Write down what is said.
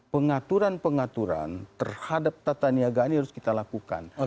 pengaturan pengaturan terhadap tata niaga ini harus kita lakukan